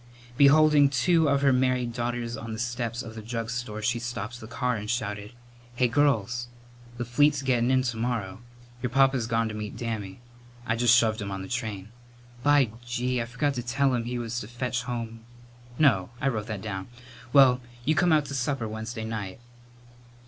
Beholding two of her married daughters on the steps of the drug store, she stopped the car and shouted: "Hey, girls, the fleet's gettin' in to morrow. Your papa's gone to meet Dammy. I just shoved him on the train. By gee! I forgot to tell him he was to fetch home no, I wrote that down well, you come out to supper Wednesday night."